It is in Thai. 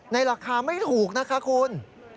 ราคาไม่ถูกนะคะคุณ